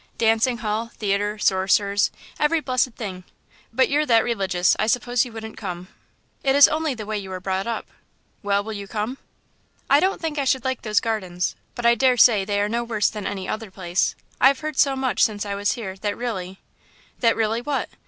Dancing hall, theatre, sorcerers every blessed thing. But you're that religious, I suppose you wouldn't come?" "It is only the way you are brought up." "Well, will you come?" "I don't think I should like those Gardens.... But I daresay they are no worse than any other place. I've heard so much since I was here, that really " "That really what?"